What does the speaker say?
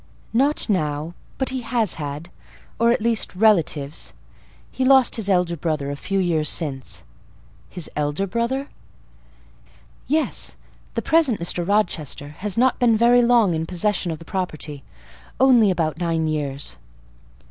"Not now, but he has had—or, at least, relatives. He lost his elder brother a few years since." "His elder brother?" "Yes. The present Mr. Rochester has not been very long in possession of the property; only about nine years."